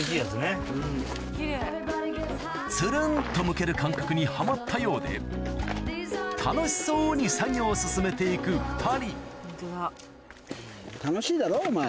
つるんとむける感覚にハマったようで楽しそうに作業を進めて行く２人お前